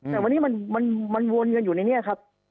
แต่วันนี้มันวนกันอยู่ในนี้ครับ